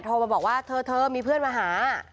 โทรมาบอกว่าเธอมีเพื่อนมาหา